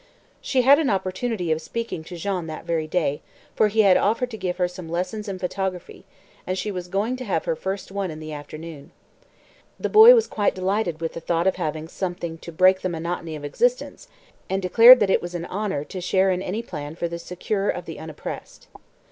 She had an opportunity of speaking to Jean that very day, for he had offered to give her some lessons in photography, and she was going to have her first one in the afternoon. The boy was quite delighted with the thought of having something "to break the monotony of existence," and declared that it was an honour to share in any plan for the secure of the oppressed.